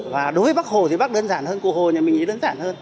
và đối với bác hồ thì bác đơn giản hơn cô hồ nhà mình nghĩ đơn giản hơn